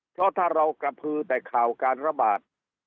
เพราะถ้าเรากระพือแต่ข่าวการระบาด